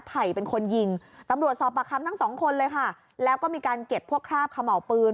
ไผ่เป็นคนยิงตำรวจสอบปากคำทั้งสองคนเลยค่ะแล้วก็มีการเก็บพวกคราบเขม่าปืน